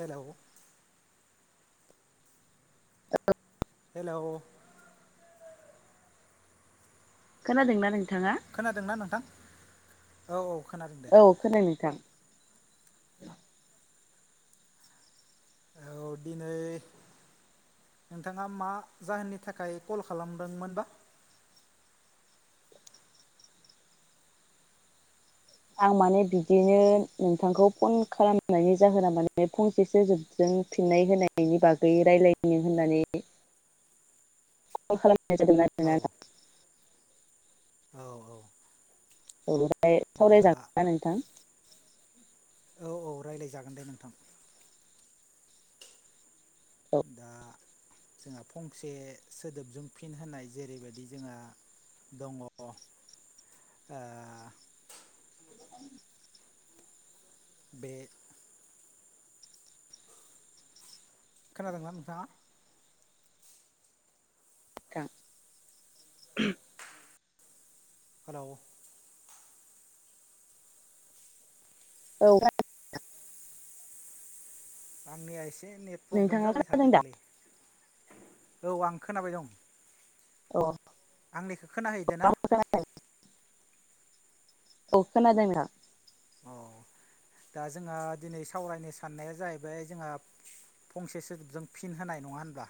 Hello औ hello खोनादोंना ना नों खोनादोंना नोंथां? औ औ खोनादों दे औ खोनायो नोंथां। औ दिनै नोंथाङा मा जाहोननि थाखाय कल खालामदोंमोनबा? आं माने बिदिनो नोंथांखौ फन खालामनायनि जाहोना माने फंसे सोदोबजों फिननाय होनायनि बागै रायलायनो होननानै कल खालाम हरनाय जादों आरो औ ना औ औ [unintelligible] दा सावरायजागोनना नोंथां? औ औ रायलायजागोन दे नोंथां। औ दा जोंहा फंसे सोदोबजों फिन होनाय जेरैबायदि जोंहा दङ ओ [inaudible] बे खोनादों ना नोंथाङा? [unintelligible] हेलौ औ [unintelligible] आंनि आस से नेट प्रब्लेम नोंथाङा जाबाय खोनादों दा? थादोंलै। औ आं खोनाबाय दं। अ आंनिखो खोनाहैदोना? औ खोनादों [unintelligible] अ दा जोंहा दिनै सावरायनो साननाया जाहैबाय जोंहा फंसे सोदोबजों फिन होनाय नङा होनब्ला?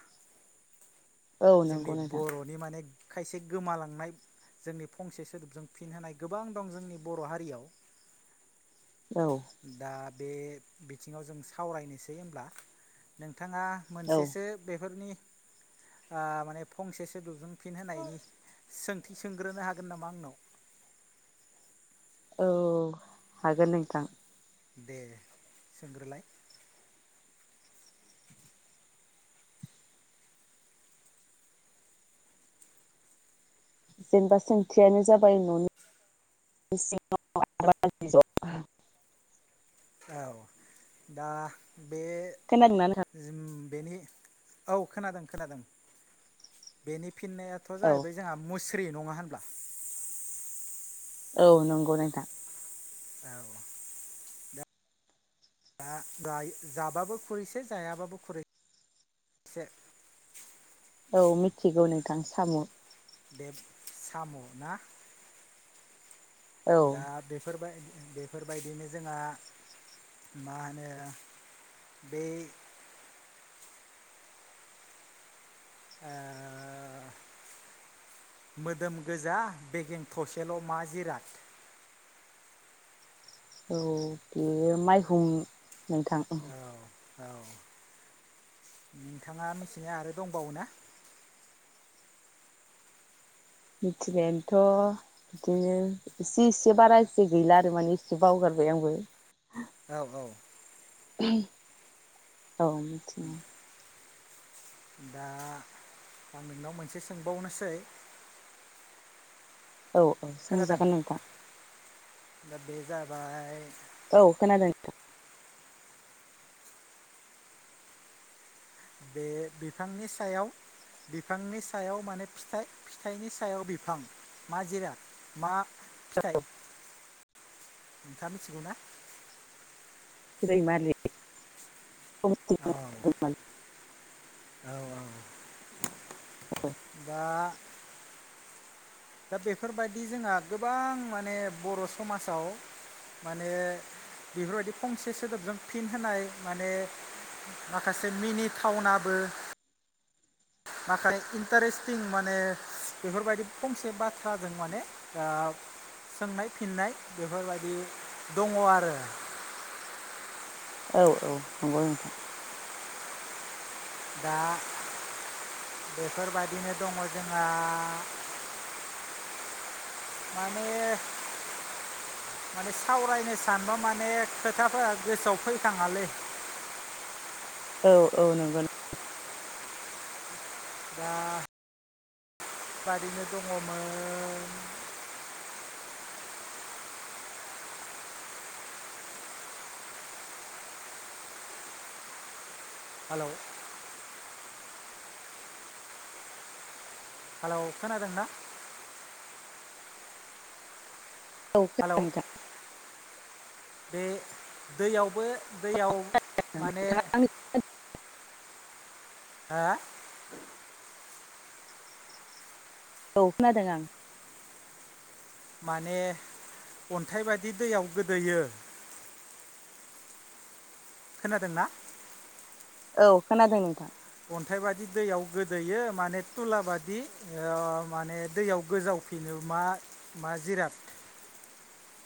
औ जोंनि नंगौ नोंथां बरनि माने खायसे गोमालांनाय जोंनि फंसे सोदोबजों फिनहोनाय गोबां दं जोंनि बर हारियाव औ दा बे बिथिङाव जों सावरायनोसै होमब्ला नों थाङा औ मोनसेसो बेफोरनि आ माने फंसेसो दुुरुंफिन होनायनि सोंथि सोंग्रोनो हागोन नामा आंनाव औ हागोन नोंथां दे सोंग्रोलाय जेनबा सोंथियानो जाबाय न नि [unintelligible] औ दा बे खोनादोंना नोंथां? जोइम बेनि औ खोनादों खोनादों बेनि फिननायाथ औ जाहैबाय जोंहा मोस स्रि नङा होनब्ला औ नंगौ नोंथां औ दा ग [unintelligible] जाबाबो खुरैसे जायाबाबो खुरै से औ मिथिगौ नोंथां साम बे साम ना औ दा बेफोरबाय बेफोरबायदिनो जोंहा मा ओनो बेइ ओ मोदोम गोजा बेगें थसेल मा जिराद औ बेयो माइहुं नोंथां औ औ नोंथाङा मिथिनाया आरो दंबावो ना मिथिनायानथ इदिनो इसे इसे बारा इसे गैला आरो माने इसे बावगारबाय आंबो औ औ [unintelligible] औ मिथियो दा आं नोंनाव मोनसे सोंबावनोसै औ औ खोनादों सोंजागोन नोंथां दा बेजाबाय औ खोनादों बे बिफांनि सायाव बिफांनि सायाव माने फिथाइ फिथाइनि सायाव बिफां मा जिराद मा फिथाइ नोंथाङा मिथिगौ ना रैमालि औ औ औ दा दा बेफोरबायदि जोंहा गोबां माने बर समाजाव माने बेफोरबायदि फंसे सोदोबजों फिन होनाय माने माखासे मिनिथावनाबो माखासे इन्टारेस्टिं माने बेफोरबायदि फंसे बाथ्राजों माने ओ सोंनाय फिननाय बेफोरबायदि दङ आरो औ औ नंगौ नोंथां दा बेफोरबायदिनो दङ जोंहा माने माने सावरायनो सानबा माने खोथाफोरा गोसोआव फैखाङालै औ औ नंगौ दा बादिनो दङमोन हेलौ हेलौ खोनादों ना औ हेलौ खोनादों नोंथां बे दैयावबो दैयाव माने नोंथाङा आंनि हा औ खोनादों आं माने अन्थाइ बादि दैयाव गोदोयो खोनादोंना औ खोनादों नोंथां अन्थाइ बादि दैयाव गोदोयो माने थुला बायदि माने दैयाव गोजावफिनो मा मा जिराद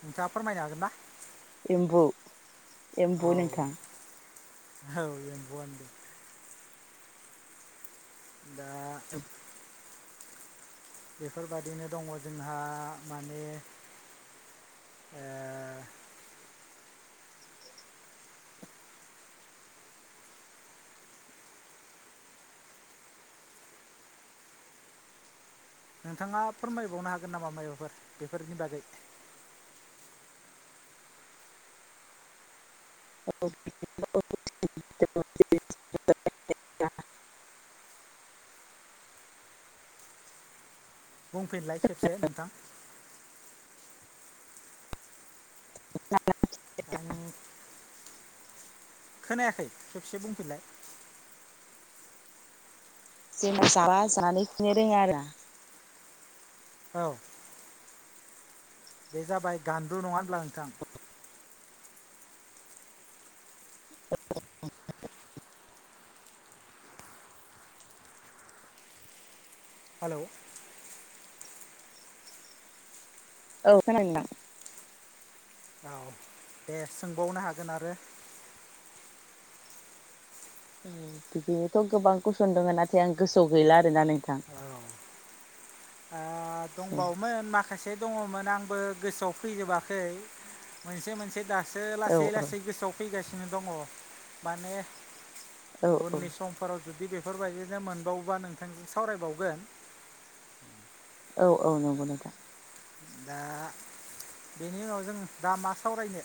नोंथाङा फोरमायनो हागोन ना एमबु एम्बु औ नोंथां औ एम्बुआनो दा बेफोरबादिनो दङ जोंहा माने ओ नोंथाङा फोरमायबावनो हागोन नामा मायबाफोर बेफोरनि बागै [inaudible] बुंफिनलाय खेबसे नोंथां [inaudible] आं खोनायाखै खेबसे बुंफिनलाय जेनबा जाबा जानानै खिनो रोङा आरो औ बे जाबाय गान्दु नङा होनब्ला नोंथां औ हेलौ। औ खोनादो नोंदां। औ दे सोंबावनो हागोन आरो औ बिदिनोथ' गोबां कुइसन दङ नाथाय आं गोसोआव गैला आरोना नोंथां। आ औ दंबावोमोन माखासे। एसे दङमोन आंबो गोसोआव फैजोबाखै मोनसे मोनसे दा दासो औ लासै लासै गोसोआव फैगासिनो। नो दङ माने औ औ उननि समफोराव जुदि बेफोरबायदिनो मोनबावोबा नोंथांजों सावरायबावगोन। औ औ नंगौ नोंथां। दा बेनि उनाव जों दा मा सावरायनो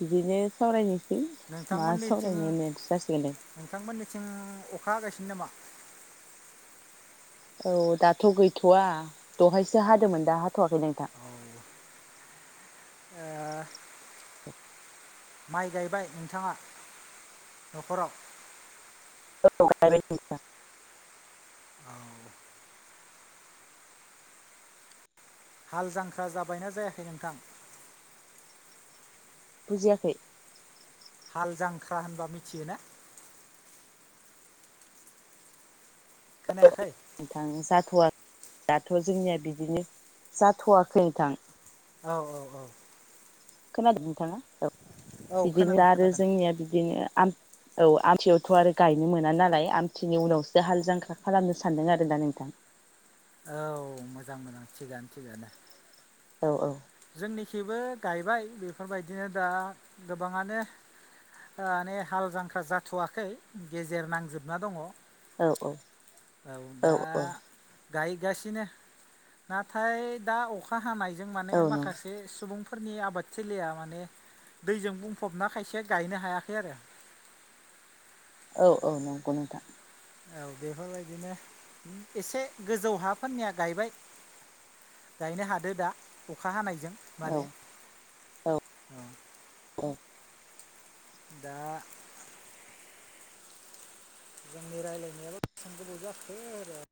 बिदिनो सावरायनोस मा नोंथांमोननिथिं सावरायनो होननायानो थ' जासिगोन दों। थिं अखा हागासिनो नामा औ दाथ' गैथ'वा दहायसो हादोंमोन दा हा हाथ'वाखै नोंथां। औ ओ [inaudible] माइ गायबाय नोंथाङा न'खराव [unintelligible] औ। हाल जांख्रा जाबायना जायाखै नोंथां बुजियाखै। हाल जांख्रा होनबा मिथियो ना खोनायाखै [unintelligible] जाथ'वा दाथ' जोंनिया बिदिनो जाथ'वाखै नोंथां। औ औ औ। खोनादों नोंथाङा औ औ बिदिनो खोनादों आरो खोनादों जोंनिया बिदिनो आम औ आमथियावथ' आरो गायनो मोना नालाय आमथिनि उनावसो हाल जांख्रा खालामनो सानदों आरोना नोंथां। औ मोजां मोजां थिगानो थिगानो। औ औ। जोंनिखैबो गायबाय बेफोरबायदिनो दा गोबाङानो माने हाल जांख्रा जाथ'वाखै गेजेर नांजोबना दङ। औ औ औ दा औ। गायगासिनो नाथाय दा अखा हानाय जों माने औ माख नंगौ माखासे सुबुं फोरनि आबादथिलिया माने दैजों बुंफबना खायसे गायनो हायाखै आरो। औ औ नंगौ नोंथां औ बेफोरबायदिनो एसे गोजौ हाफोरनिया गायबाय। गायनो हादो दा अखा हानायजों औ माने औ औ दा जोंनि रायलायनायाबा बेसेबां गोबाव जाखो आरो